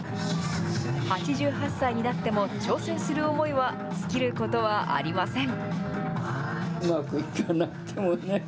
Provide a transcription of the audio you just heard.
８８歳になっても挑戦する思いは、尽きることはありません。